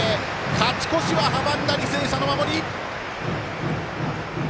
勝ち越しは阻んだ履正社の守り。